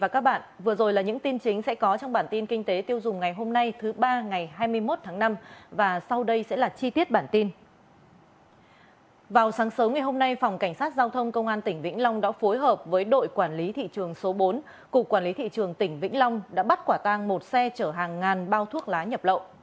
các bạn hãy đăng ký kênh để ủng hộ kênh của chúng mình nhé